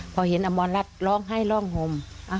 พอเห็นอมรรัฐร้องไห้ร้องห่ม